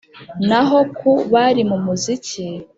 Na ho ku bari mu muziki,